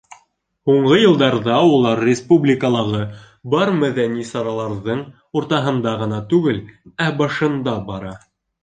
Һуңғы йылдарҙа улар республикалағы бар мәҙәни сараларҙың уртаһында ғына түгел, ә башында бара.